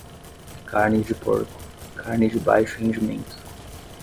Carne de porco, carne de baixo rendimento.